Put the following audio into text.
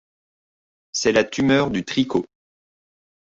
c'est la tumeur du tricot.